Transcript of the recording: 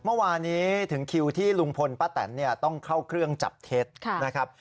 เมื่อวานนี้ถึงคิวที่ลุงพลป้าแตนเนี่ยต้องเข้าเครื่องจับเท็จนะครับ